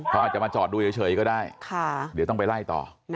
เขาอาจจะมาจอดดูเฉยก็ได้เดี๋ยวต้องไปไล่ต่อ